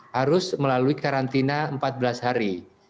harus melalui karantina empat belas hari